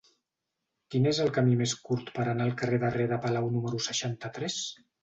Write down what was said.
Quin és el camí més curt per anar al carrer de Rere Palau número seixanta-tres?